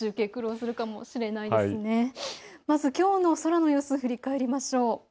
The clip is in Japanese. まず、きょうの空の様子を振り返りましょう。